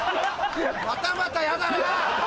またまたやだな。